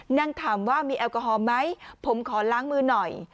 นั่งถามว่ามีแอลกอฮอลไหมผมขอล้างมือหน่อย